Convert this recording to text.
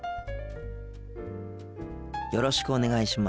よろしくお願いします。